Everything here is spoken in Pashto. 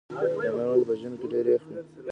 بامیان ولې په ژمي کې ډیر یخ وي؟